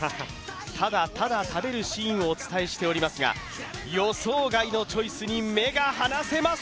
ただただ食べるシーンをお伝えしておりますが予想外のチョイスに目が離せません！